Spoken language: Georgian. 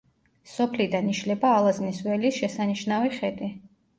სოფლიდან იშლება ალაზნის ველის შესანიშნავი ხედი.